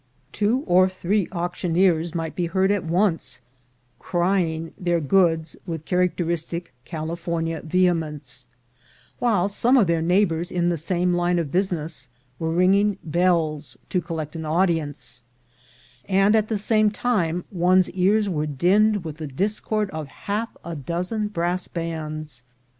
Two or three auctioneers might be heard at once, "cr> ing" their goods with characteristic California ve hemence, while some of their neighbors in the same line of business were ringing bells to collect an audi ence — and at the same time one's ears were dinned with A CITY ly TKZ ZL\KrSG 61 t^ iismd at hais ir6ce£n siaas cssca.